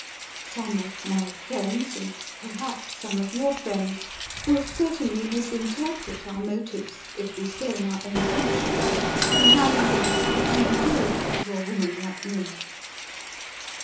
Some of my friends, and (perhaps) some of your friends, will certainly misinterpret our motives, if we stay in our own country, in a manner which would be unendurable to a woman like me.